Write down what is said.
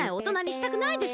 したくない！